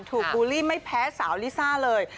ถูกบูรีไม่แพ้สาวลิซ่าเลย